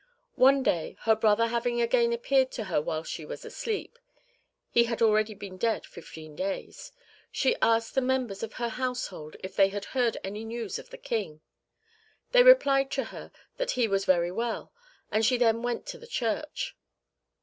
One day, her brother having again appeared to her while she was asleep (he had already been dead fifteen days), (1) she asked the members of her household if they had heard any news of the King. 1 Francis I. died March 31, 1547. "They replied to her that he was very well, and she then went to the church.